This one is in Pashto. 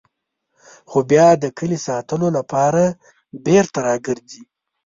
خو بیا د کلي ساتلو لپاره بېرته راګرځي.